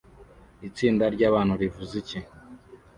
Itsinda ryabantu rivuze iki